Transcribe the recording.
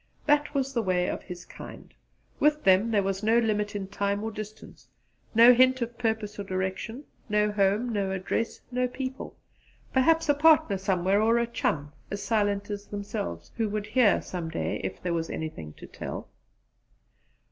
That was the way of his kind. With them there was no limit in time or distance, no hint of purpose or direction , no home, no address, no 'people'; perhaps a partner somewhere or a chum, as silent as themselves, who would hear some day if there was anything to tell.